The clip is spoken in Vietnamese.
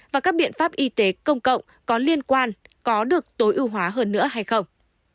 và các biện pháp y tế công cộng có liên quan có được tối ưu hóa hơn nữa hay không